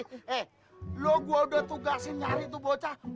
eh lo gue udah tugasin nyari tuh bocah